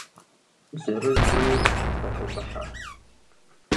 Зырызу фыкъыщӏыхьэ.